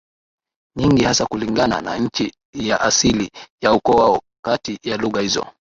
nyingi hasa kulingana na nchi ya asili ya ukoo wao Kati ya lugha hizo